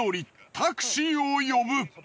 タクシーを呼ぶ。